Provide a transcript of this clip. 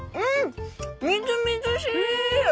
みずみずしい！